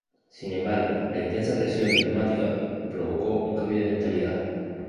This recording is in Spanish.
Sin embargo, la intensa presión diplomática provocó un cambio de mentalidad.